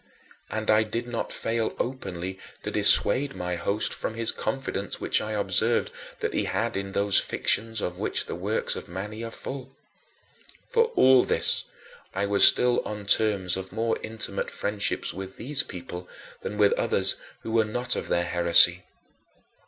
And I did not fail openly to dissuade my host from his confidence which I observed that he had in those fictions of which the works of Mani are full. For all this, I was still on terms of more intimate friendship with these people than with others who were not of their heresy.